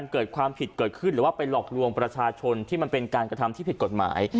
สุดท้ายก็เอากำจับให้ผู้นำ